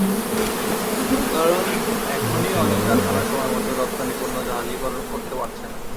কারণ, এখনই অনেক কারখানা সময়মতো রপ্তানি পণ্য জাহাজীকরণ করতে পারছে না।